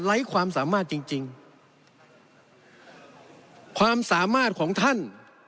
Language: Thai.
ไร้ความสามารถจริงความสามารถของท่าน